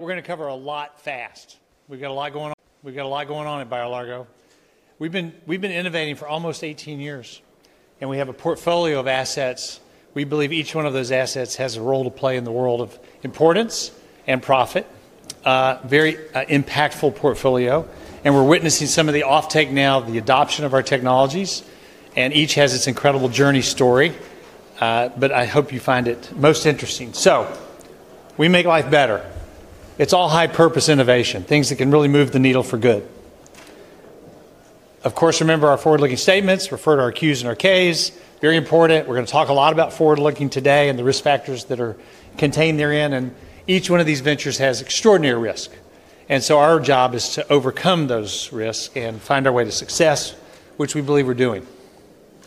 We're going to cover a lot fast. We've got a lot going on. We've got a lot going on at BioLargo. We've been innovating for almost 18 years, and we have a portfolio of assets. We believe each one of those assets has a role to play in the world of importance and profit. A very impactful portfolio. We're witnessing some of the off-take now, the adoption of our technologies. Each has its incredible journey story. I hope you find it most interesting. We make life better. It's all high-purpose innovation, things that can really move the needle for good. Of course, remember our forward-looking statements. RCBNIefer to our Qs and our Ks. Very important. We're going to talk a lot about forward-looking today and the risk factors that are contained therein. Each one of these ventures has extraordinary risk. Our job is to overcome those risks and find our way to success, which we believe we're doing.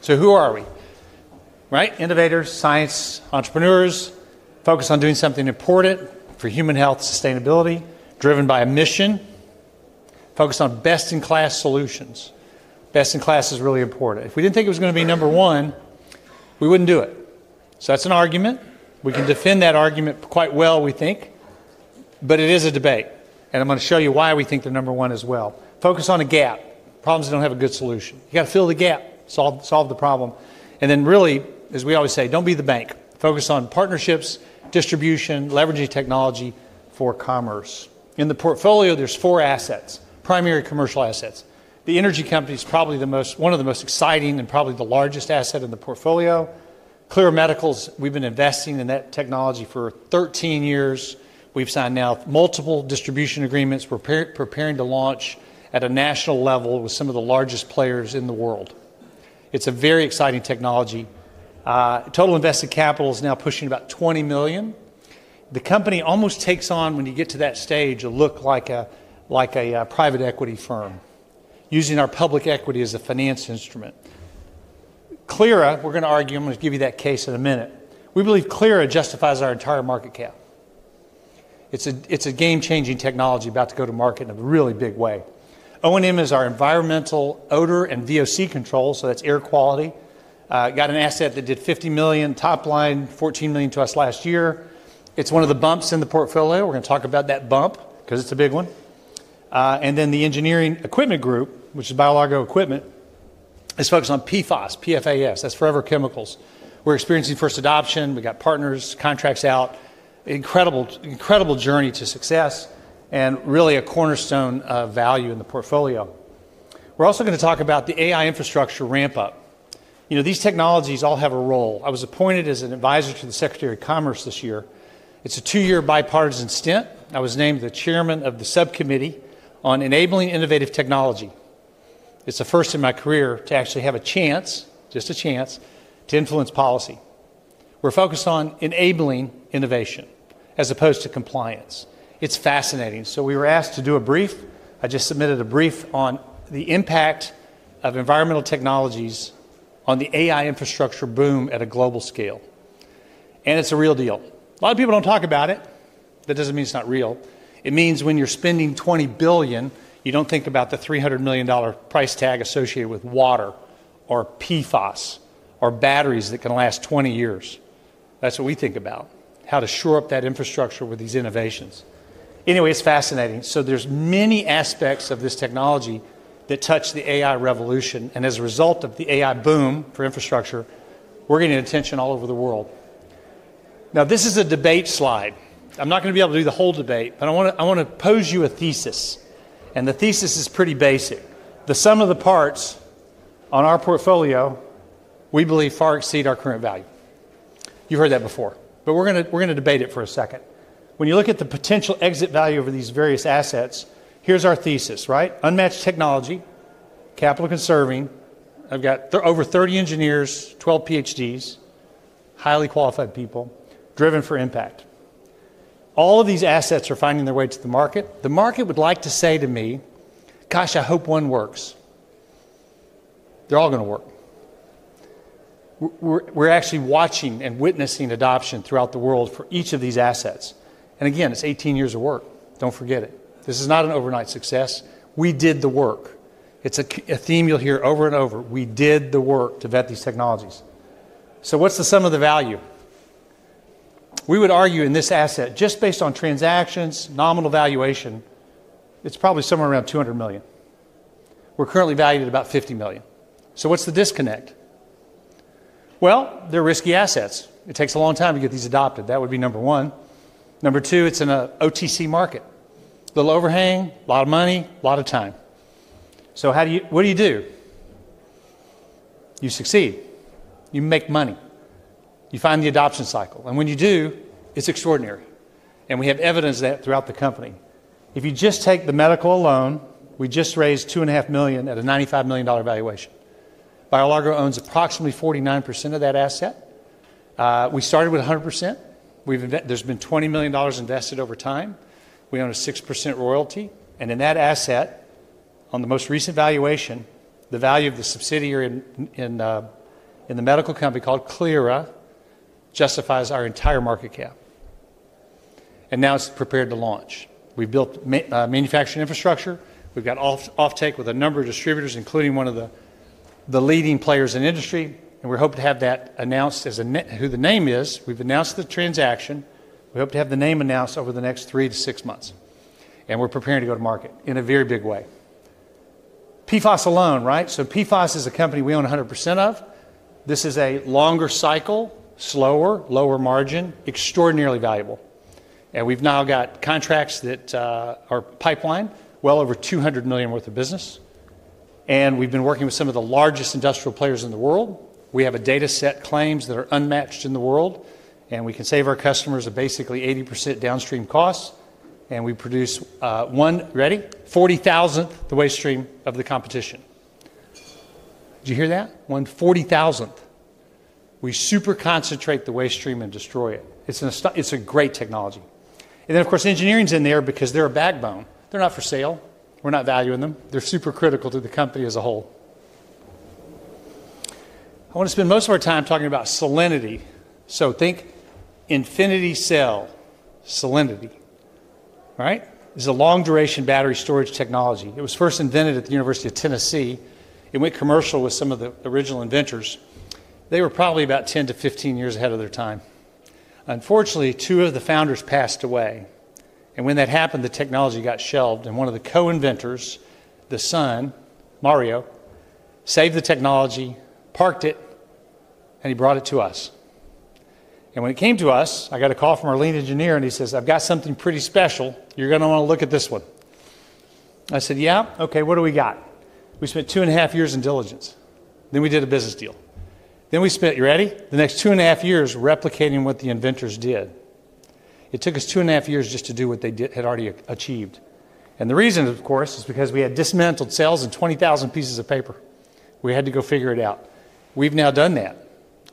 Who are we? Innovators, scientists, entrepreneurs focused on doing something important for human health, sustainability, driven by a mission, focused on best-in-class solutions. Best in class is really important. If we didn't think it was going to be number one, we wouldn't do it. That's an argument. We can defend that argument quite well, we think. It is a debate. I'm going to show you why we think they're number one as well. Focus on a gap, problems that don't have a good solution. You've got to fill the gap, solve the problem. Really, as we always say, don't be the bank. Focus on partnerships, distribution, leveraging technology for commerce. In the portfolio, there's four assets, primary commercial assets. The energy company is probably one of the most exciting and probably the largest asset in the portfolio. Clyra Medical, we've been investing in that technology for 13 years. We've signed now multiple distribution agreements. We're preparing to launch at a national level with some of the largest players in the world. It's a very exciting technology. Total invested capital is now pushing about $20 million. The company almost takes on, when you get to that stage, a look like a private equity firm using our public equity as a finance instrument. Clyra, we're going to argue, I'm going to give you that case in a minute. We believe Clyra justifies our entire market cap. It's a game-changing technology about to go to market in a really big way. ONM is our environmental odor and VOC control, so that's air quality. Got an asset that did $50 million top line, $14 million to us last year. It's one of the bumps in the portfolio. We're going to talk about that bump because it's a big one. The engineering equipment group, which is BioLargo Equipment, is focused on PFAS, P-F-A-S. That's forever chemicals. We're experiencing first adoption. We've got partners, contracts out. Incredible journey to success and really a cornerstone of value in the portfolio. We're also going to talk about the AI infrastructure ramp-up. These technologies all have a role. I was appointed as an advisor to the U.S. Secretary of Commerce this year. It's a two-year bipartisan stint. I was named the Chairman of the Subcommittee on Enabling Innovative Technology. It's the first in my career to actually have a chance, just a chance, to influence policy. We're focused on enabling innovation as opposed to compliance. It's fascinating. We were asked to do a brief. I just submitted a brief on the impact of environmental technologies on the AI infrastructure boom at a global scale. It's a real deal. A lot of people don't talk about it. That doesn't mean it's not real. It means when you're spending $20 billion, you don't think about the $300 million price tag associated with water or PFAS or batteries that can last 20 years. That's what we think about, how to shore up that infrastructure with these innovations. It's fascinating. There are many aspects of this technology that touch the AI revolution. As a result of the AI boom for infrastructure, we're getting attention all over the world. Now, this is a debate slide. I'm not going to be able to do the whole debate, but I want to pose you a thesis. The thesis is pretty basic. The sum of the parts on our portfolio, we believe, far exceed our current value. You've heard that before. We're going to debate it for a second. When you look at the potential exit value of these various assets, here's our thesis, right? Unmatched technology, capital-conserving. I've got over 30 engineers, 12 PhDs, highly qualified people, driven for impact. All of these assets are finding their way to the market. The market would like to say to me, gosh, I hope one works. They're all going to work. We're actually watching and witnessing adoption throughout the world for each of these assets. It's 18 years of work. Don't forget it. This is not an overnight success. We did the work. It's a theme you'll hear over and over. We did the work to vet these technologies. So what's the sum of the value? We would argue in this asset, just based on transactions, nominal valuation, it's probably somewhere around $200 million. We're currently valued at about $50 million. What's the disconnect? They're risky assets. It takes a long time to get these adopted. That would be number one. Number two, it's in an OTC market. A little overhang, a lot of money, a lot of time. What do you do? You succeed. You make money. You find the adoption cycle. When you do, it's extraordinary. We have evidence of that throughout the company. If you just take the medical alone, we just raised $2.5 million at a $95 million valuation. BioLargo owns approximately 49% of that asset. We started with 100%. There's been $20 million invested over time. We own a 6% royalty. In that asset, on the most recent valuation, the value of the subsidiary in the medical company called Clyra justifies our entire market cap. Now it's prepared to launch. We've built manufacturing infrastructure. We've got off-take with a number of distributors, including one of the leading players in the industry. We hope to have that announced as to who the name is. We've announced the transaction. We hope to have the name announced over the next three to six months. We're preparing to go to market in a very big way. PFAS alone, right? PFAS treatment is a company we own 100% of. This is a longer cycle, slower, lower margin, extraordinarily valuable. We've now got contracts that are pipeline, well over $200 million worth of business. We've been working with some of the largest industrial players in the world. We have a data set claims that are unmatched in the world. We can save our customers basically 80% downstream costs. We produce one 40,000th the waste stream of the competition. Did you hear that? One 40,000th. We super concentrate the waste stream and destroy it. It's a great technology. Of course, engineering is in there because they're a backbone. They're not for sale. We're not valuing them. They're supercritical to the company as a whole. I want to spend most of our time talking about salinity. Think Infinity Cell Salinity, right? It's a long-duration battery storage technology. It was first invented at the University of Tennessee. It went commercial with some of the original inventors. They were probably about 10-15 years ahead of their time. Unfortunately, two of the founders passed away. When that happened, the technology got shelved. One of the co-inventors, the son, Mario, saved the technology, parked it, and he brought it to us. When it came to us, I got a call from our lead engineer. He says, I've got something pretty special. You're going to want to look at this one. I said, yeah, OK, what do we got? We spent 2.5 years in diligence. We did a business deal. We spent, you ready, the next 2.5 years replicating what the inventors did. It took us 2.5 years just to do what they had already achieved. The reason, of course, is because we had dismantled cells in 20,000 pieces of paper. We had to go figure it out. We've now done that.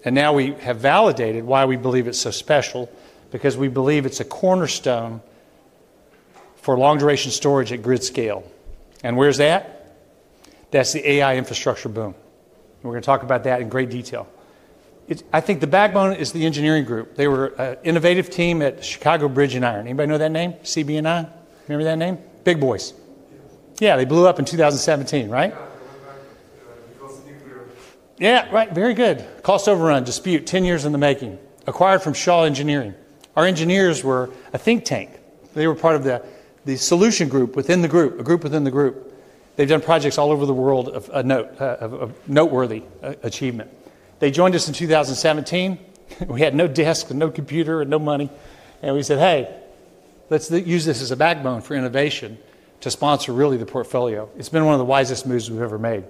We have validated why we believe it's so special because we believe it's a cornerstone for long-duration storage at grid scale. Where's that? That's the AI infrastructure boom. We're going to talk about that in great detail. I think the backbone is the engineering group. They were an innovative team at Chicago Bridge & Iron. Anybody know that name? CB&I? Remember that name? Big boys. Yes. Yeah, they blew up in 2017, right? Yeah, they went back and they built the nuclear. Yeah, right. Very good. Cost overrun, dispute, 10 years in the making. Acquired from Shaw Engineering. Our engineers were a think tank. They were part of the solution group within the group, a group within the group. They've done projects all over the world of noteworthy achievement. They joined us in 2017. We had no desk and no computer and no money. We said, hey, let's use this as a backbone for innovation to sponsor really the portfolio. It's been one of the wisest moves we've ever made.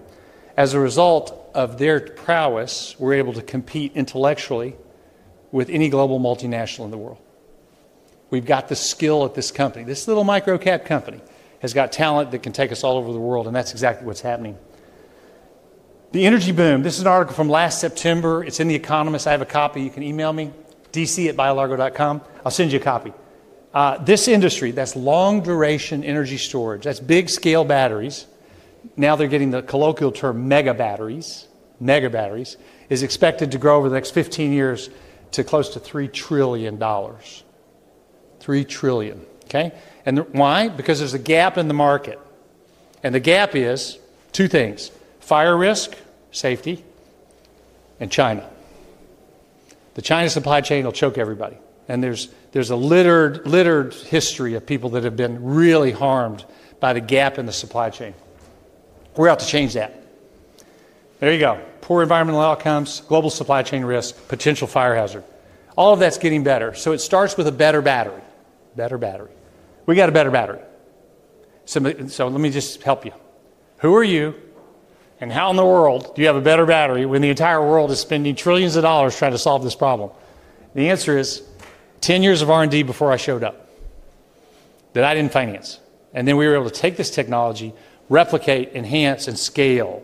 As a result of their prowess, we're able to compete intellectually with any global multinational in the world. We've got the skill at this company. This little micro-cap company has got talent that can take us all over the world. That's exactly what's happening. The energy boom, this is an article from last September. It's in The Economist. I have a copy. You can email me, dc@biolargo.com. I'll send you a copy. This industry, that's long-duration energy storage, that's big-scale batteries. Now they're getting the colloquial term mega-batteries. Mega-batteries is expected to grow over the next 15 years to close to $3 trillion. $3 trillion, OK? Why? Because there's a gap in the market. The gap is two things: fire risk, safety, and China. The China supply chain will choke everybody. There's a littered history of people that have been really harmed by the gap in the supply chain. We're out to change that. There you go. Poor environmental outcomes, global supply chain risk, potential fire hazard. All of that's getting better. It starts with a better battery, better battery. We got a better battery. Let me just help you. Who are you and how in the world do you have a better battery when the entire world is spending trillions of dollars trying to solve this problem? The answer is 10 years of R&D before I showed up that I didn't finance. We were able to take this technology, replicate, enhance, and scale.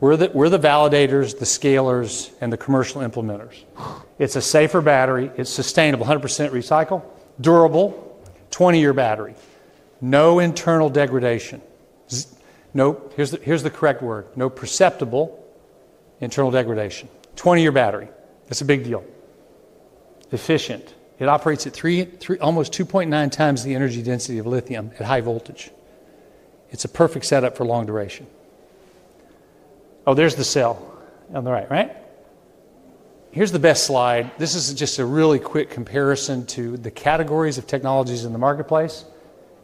We're the validators, the scalers, and the commercial implementers. It's a safer battery. It's sustainable, 100% recycle, durable, 20-year battery. No internal degradation. No, here's the correct word, no perceptible internal degradation. 20-year battery. That's a big deal. Efficient. It operates at almost 2.9x the energy density of lithium at high voltage. It's a perfect setup for long duration. Oh, there's the cell on the right, right? Here's the best slide. This is just a really quick comparison to the categories of technologies in the marketplace.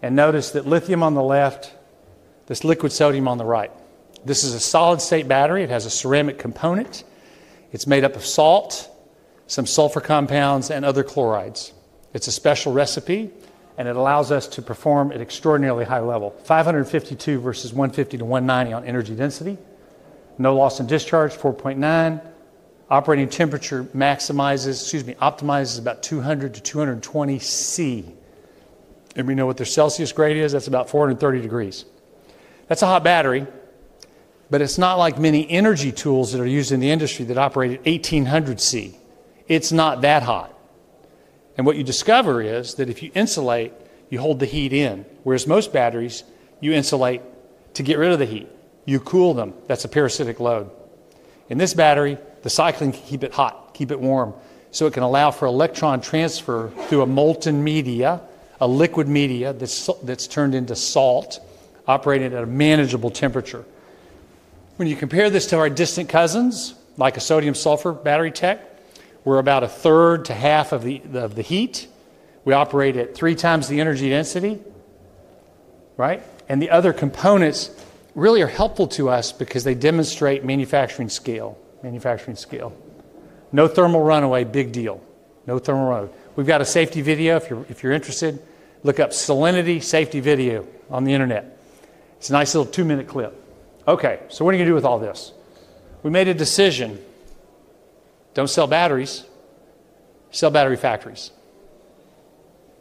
Notice that lithium on the left, this liquid sodium on the right. This is a solid-state battery. It has a ceramic component. It's made up of salt, some sulfur compounds, and other chlorides. It's a special recipe. It allows us to perform at extraordinarily high level, 552 Wh/kg versus 150 Wh/kg-190 Wh/kg on energy density. No loss in discharge, 4.9 V. Operating temperature optimizes about 200 degrees Celcius-220 degrees Celsius. We know what their Celsius grade is. That's about 430 degrees Celsius. That's a hot battery. It's not like many energy tools that are used in the industry that operate at 1,800 degrees Celsius. It's not that hot. What you discover is that if you insulate, you hold the heat in. Whereas most batteries, you insulate to get rid of the heat. You cool them. That's a parasitic load. In this battery, the cycling can keep it hot, keep it warm. It can allow for electron transfer through a molten media, a liquid media that's turned into salt, operating at a manageable temperature. When you compare this to our distant cousins, like a sodium-sulfur battery tech, we're about a third to half of the heat. We operate at three times the energy density, right? The other components really are helpful to us because they demonstrate manufacturing scale, manufacturing scale. No thermal runaway, big deal. No thermal runaway. We've got a safety video. If you're interested, look up salinity safety video on the internet. It's a nice little two-minute clip. OK, what are you going to do with all this? We made a decision. Don't sell batteries. Sell battery factories.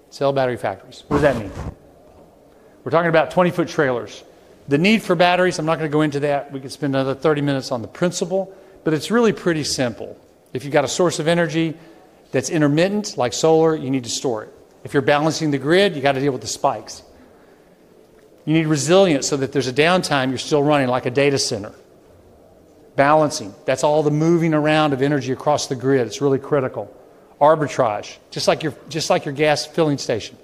Sell battery factories. What does that mean? We're talking about 20 ft trailers. The need for batteries, I'm not going to go into that. We could spend another 30 minutes on the principle. It's really pretty simple. If you've got a source of energy that's intermittent, like solar, you need to store it. If you're balancing the grid, you've got to deal with the spikes. You need resilience so that there's a downtime, you're still running like a data center. Balancing, that's all the moving around of energy across the grid. It's really critical. Arbitrage, just like your gas filling station.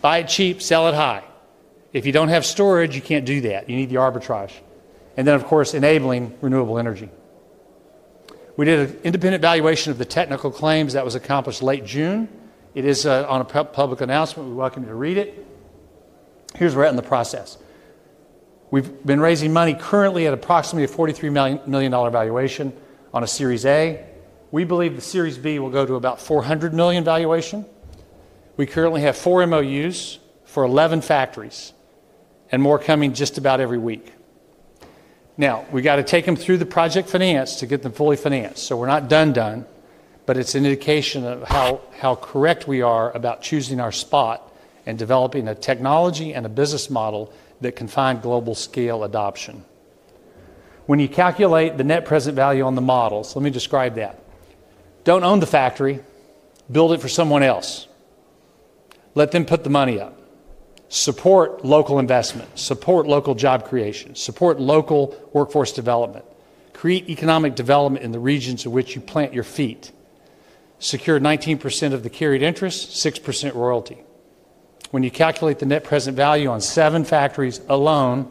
Buy it cheap, sell it high. If you don't have storage, you can't do that. You need the arbitrage. Of course, enabling renewable energy. We did an independent valuation of the technical claims that was accomplished late June. It is on a public announcement. We welcome you to read it. Here's where we're at in the process. We've been raising money currently at approximately a $43 million valuation on a Series A. We believe the Series B will go to about a $400 million valuation. We currently have four MOUs for 11 factories and more coming just about every week. Now, we've got to take them through the project finance to get them fully financed. We're not done-done. It is an indication of how correct we are about choosing our spot and developing a technology and a business model that can find global scale adoption. When you calculate the net present value on the models, let me describe that. Don't own the factory. Build it for someone else. Let them put the money up. Support local investment. Support local job creation. Support local workforce development. Create economic development in the regions in which you plant your feet. Secure 19% of the carried interest, 6% royalty. When you calculate the net present value on seven factories alone,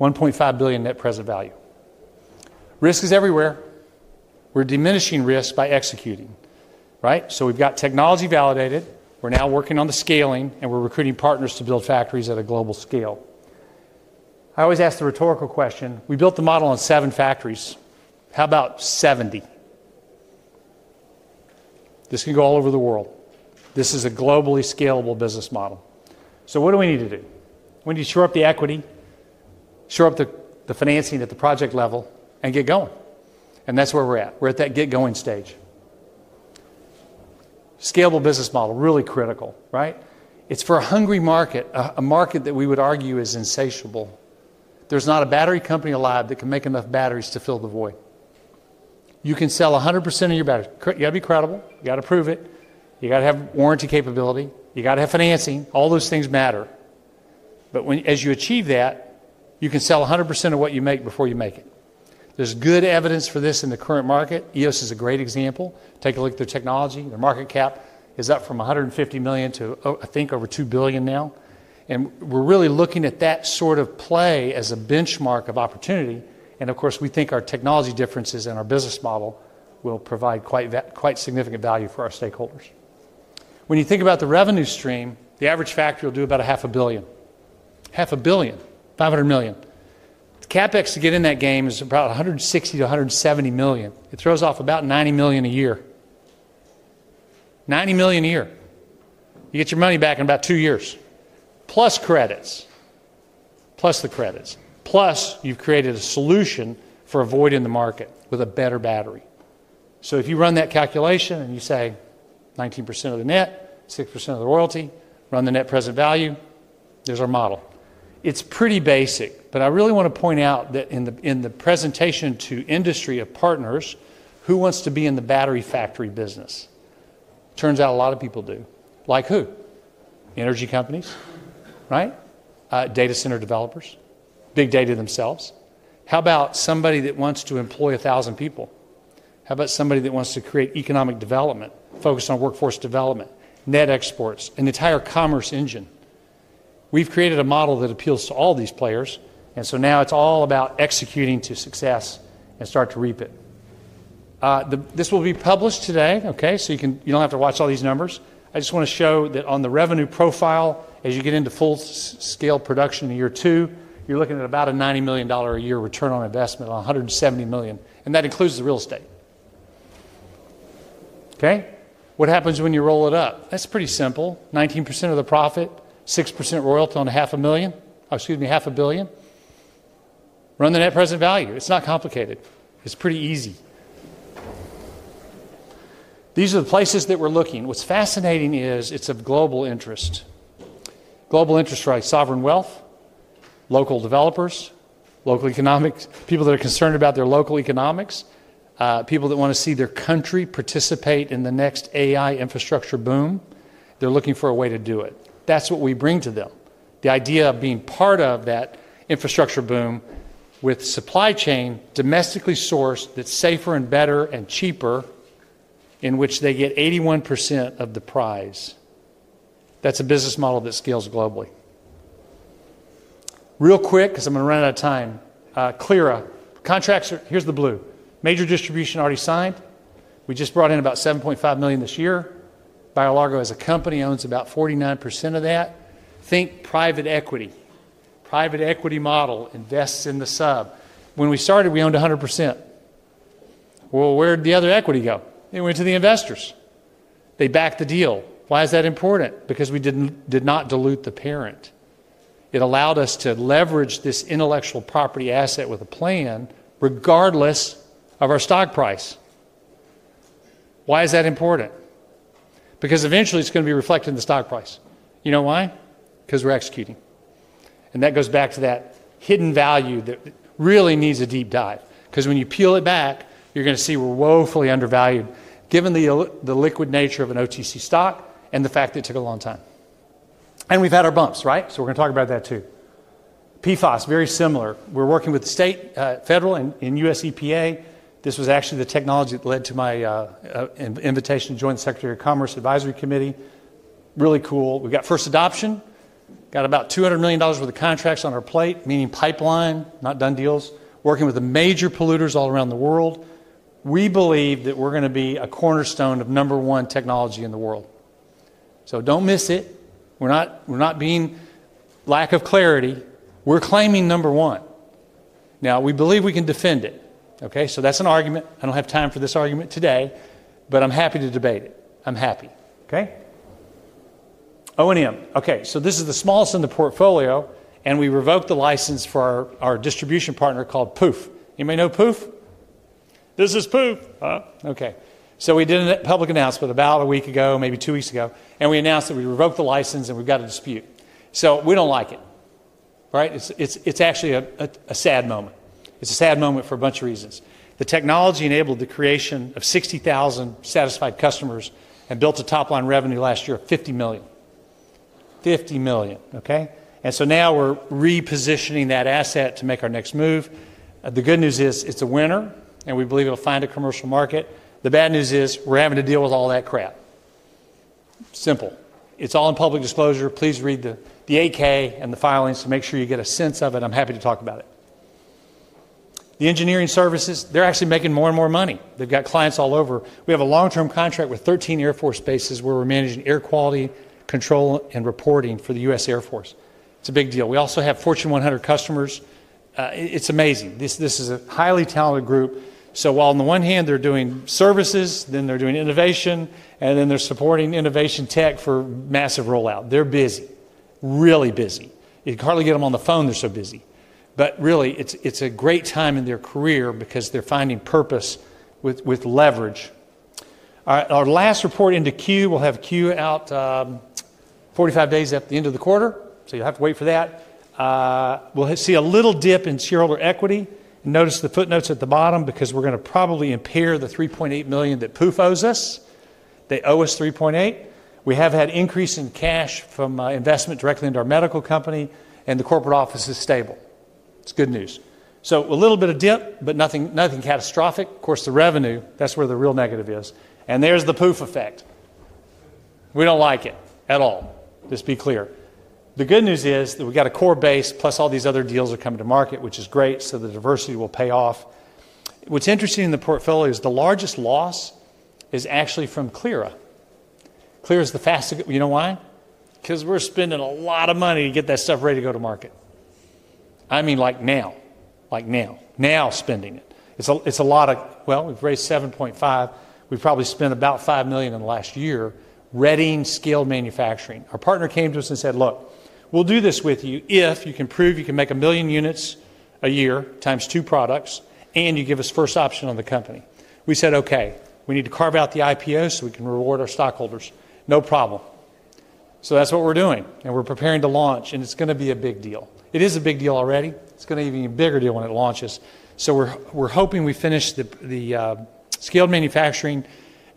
$1.5 billion net present value. Risk is everywhere. We're diminishing risk by executing, right? We've got technology validated. We're now working on the scaling. We're recruiting partners to build factories at a global scale. I always ask the rhetorical question. We built the model on seven factories. How about 70? This can go all over the world. This is a globally scalable business model. What do we need to do? We need to shore up the equity, shore up the financing at the project level, and get going. That's where we're at. We're at that get-going stage. Scalable business model, really critical, right? It's for a hungry market, a market that we would argue is insatiable. There's not a battery company alive that can make enough batteries to fill the void. You can sell 100% of your batteries. You've got to be credible. You've got to prove it. You've got to have warranty capability. You've got to have financing. All those things matter. As you achieve that, you can sell 100% of what you make before you make it. There's good evidence for this in the current market. EOS is a great example. Take a look at their technology. Their market cap is up from $150 million to, I think, over $2 billion now. We're really looking at that sort of play as a benchmark of opportunity. Of course, we think our technology differences and our business model will provide quite significant value for our stakeholders. When you think about the revenue stream, the average factory will do about $500 million. $500 million. The CapEx to get in that game is about $160 million-$170 million. It throws off about $90 million a year. $90 million a year. You get your money back in about two years, plus credits, plus the credits, plus you've created a solution for avoiding the market with a better battery. If you run that calculation and you say 19% of the net, 6% of the royalty, run the net present value, there's our model. It's pretty basic. I really want to point out that in the presentation to industry of partners, who wants to be in the battery factory business? Turns out a lot of people do. Like who? Energy companies, right? Data center developers, big data themselves. How about somebody that wants to employ 1,000 people? How about somebody that wants to create economic development focused on workforce development, net exports, an entire commerce engine? We've created a model that appeals to all these players. Now it's all about executing to success and start to reap it. This will be published today, OK? You don't have to watch all these numbers. I just want to show that on the revenue profile, as you get into full-scale production in year two, you're looking at about a $90 million a year return on investment, on $170 million. That includes the real estate. OK? What happens when you roll it up? That's pretty simple. 19% of the profit, 6% royalty on $500 million. Run the net present value. It's not complicated. It's pretty easy. These are the places that we're looking. What's fascinating is it's of global interest. Global interests are sovereign wealth, local developers, local economics, people that are concerned about their local economics, people that want to see their country participate in the next AI infrastructure boom. They're looking for a way to do it. That's what we bring to them, the idea of being part of that infrastructure boom with supply chain domestically sourced that's safer and better and cheaper, in which they get 81% of the prize. That's a business model that scales globally. Real quick, because I'm going to run out of time, Clyra, contracts, here's the blue. Major distribution already signed. We just brought in about $7.5 million this year. BioLargo as a company owns about 49% of that. Think private equity. Private equity model invests in the sub. When we started, we owned 100%. Where did the other equity go? It went to the investors. They backed the deal. Why is that important? Because we did not dilute the parent. It allowed us to leverage this intellectual property asset with a plan regardless of our stock price. Why is that important? Because eventually, it's going to be reflected in the stock price. You know why? Because we're executing. That goes back to that hidden value that really needs a deep dive. When you peel it back, you're going to see we're woefully undervalued, given the liquid nature of an OTC stock and the fact that it took a long time. We've had our bumps, right? We're going to talk about that too. PFAS, very similar. We're working with the state, federal, and U.S. EPA. This was actually the technology that led to my invitation to join the U.S. Secretary of Commerce Advisory Committee. Really cool. We got first adoption. Got about $200 million worth of contracts on our plate, meaning pipeline, not done deals, working with the major polluters all around the world. We believe that we're going to be a cornerstone of number one technology in the world. Do not miss it. We're not being lack of clarity. We're claiming number one. We believe we can defend it, OK? That's an argument. I don't have time for this argument today. I'm happy to debate it. I'm happy, OK? ONM. This is the smallest in the portfolio. We revoked the license for our distribution partner called Pooph. Anybody know Pooph? This is Pooph. We did a public announcement about a week ago, maybe two weeks ago. We announced that we revoked the license. We've got a dispute. We don't like it, right? It's actually a sad moment. It's a sad moment for a bunch of reasons. The technology enabled the creation of 60,000 satisfied customers and built a top line revenue last year of $50 million, $50 million, OK? Now we're repositioning that asset to make our next move. The good news is it's a winner. We believe it'll find a commercial market. The bad news is we're having to deal with all that crap. Simple. It's all in public disclosure. Please read the 8-K and the filings to make sure you get a sense of it. I'm happy to talk about it. The engineering services, they're actually making more and more money. They've got clients all over. We have a long-term contract with 13 Air Force bases where we're managing air quality control and reporting for the U.S. Air Force. It's a big deal. We also have Fortune 100 customers. It's amazing. This is a highly talented group. While on the one hand, they're doing services, then they're doing innovation, and then they're supporting innovation tech for massive rollout. They're busy, really busy. You can hardly get them on the phone. They're so busy. It's a great time in their career because they're finding purpose with leverage. Our last report into Q, we'll have Q out 45 days after the end of the quarter. You'll have to wait for that. We'll see a little dip in shareholder equity. Notice the footnotes at the bottom because we're going to probably impair the $3.8 million that Pooph owes us. They owe us $3.8 million. We have had an increase in cash from investment directly into our medical company. The corporate office is stable. It's good news. A little bit of dip, but nothing catastrophic. Of course, the revenue, that's where the real negative is. There's the Pooph effect. We don't like it at all. Let's be clear. The good news is that we've got a core base, plus all these other deals are coming to market, which is great. The diversity will pay off. What's interesting in the portfolio is the largest loss is actually from Clyra. Clyra is the fastest—you know why? Because we're spending a lot of money to get that stuff ready to go to market. I mean, like now, like now, now spending it. We've raised $7.5 million. We've probably spent about $5 million in the last year readying scaled manufacturing. Our partner came to us and said, look, we'll do this with you if you can prove you can make 1 million units a year times two products and you give us first option on the company. We said, OK. We need to carve out the IPO so we can reward our stockholders. No problem. That's what we're doing. We're preparing to launch. It's going to be a big deal. It is a big deal already. It's going to be an even bigger deal when it launches. We're hoping we finish the scaled manufacturing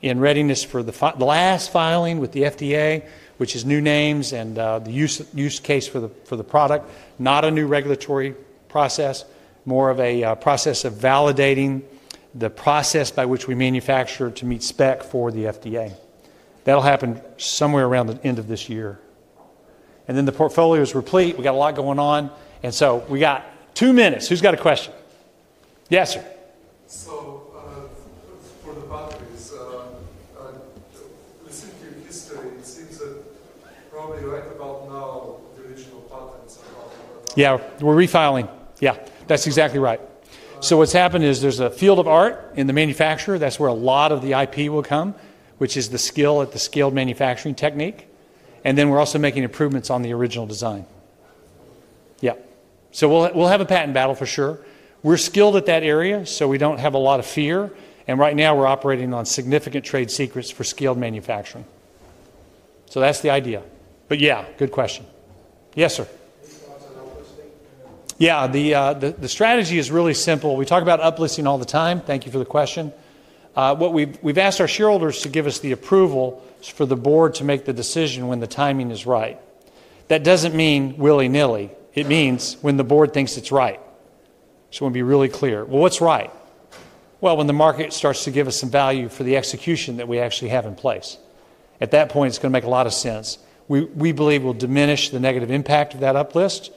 in readiness for the last filing with the FDA, which is new names and the use case for the product, not a new regulatory process, more of a process of validating the process by which we manufacture to meet spec for the FDA. That'll happen somewhere around the end of this year. The portfolio is replete. We've got a lot going on. We've got two minutes. Who's got a question? Yes, sir. For the batteries, listening to your history, it seems that probably right about now the original patents are out. Yeah, we're refiling. Yeah, that's exactly right. What's happened is there's a field of art in the manufacturer. That's where a lot of the IP will come, which is the skill at the scaled manufacturing technique. We're also making improvements on the original design. We'll have a patent battle for sure. We're skilled at that area, so we don't have a lot of fear. Right now, we're operating on significant trade secrets for scaled manufacturing. That's the idea. Good question. Yes, sir. Any thoughts on uplisting? Yeah, the strategy is really simple. We talk about uplisting all the time. Thank you for the question. We've asked our shareholders to give us the approval for the board to make the decision when the timing is right. That doesn't mean willy-nilly. It means when the board thinks it's right. We want to be really clear. What's right? When the market starts to give us some value for the execution that we actually have in place, at that point, it's going to make a lot of sense. We believe we'll diminish the negative impact of that uplist.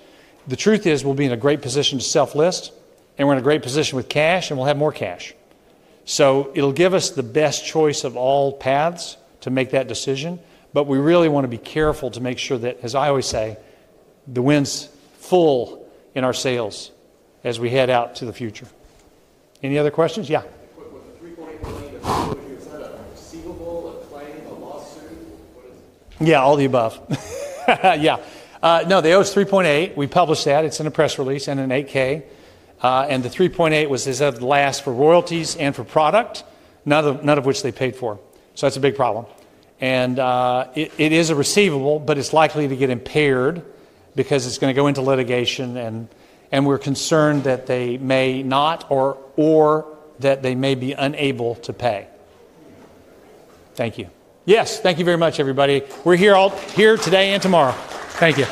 The truth is we'll be in a great position to self-list. We're in a great position with cash, and we'll have more cash. It'll give us the best choice of all paths to make that decision. We really want to be careful to make sure that, as I always say, the wind's full in our sails as we head out to the future. Any other questions? Yeah. The $3.8 million that was set up, receivable, a claim, a lawsuit? What is it? Yeah, all the above. Yeah. No, they owed us $3.8 million. We published that. It's in a press release and an 8-K. The $3.8 million was as of last for royalties and for product, none of which they paid for. That's a big problem. It is a receivable, but it's likely to get impaired because it's going to go into litigation. We're concerned that they may not or that they may be unable to pay. Thank you. Yes, thank you very much, everybody. We're here today and tomorrow. Thank you.